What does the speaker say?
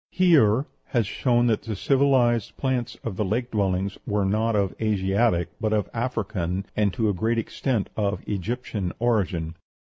Heer has shown that the civilized plants of the lake dwellings are not of Asiatic, but of African, and, to a great extent, of Egyptian origin.